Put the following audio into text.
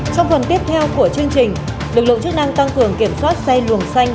trong phần tiếp theo của chương trình lực lượng chức năng tăng cường kiểm soát xe luồng xanh